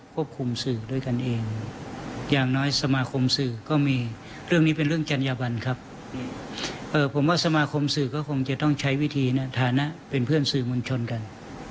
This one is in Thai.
ผมว่าสมาคมสื่อก็คงจะต้องใช้วิธีฐานะเป็นเพื่อนสื่อมุญชนกัน